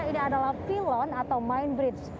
ini adalah pilon atau mind bridge